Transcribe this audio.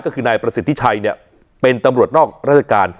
ก็คือนายประสิทธิชัยเนี่ยเป็นตำรวจนอกราชการ